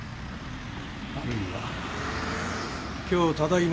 あるいは今日ただいま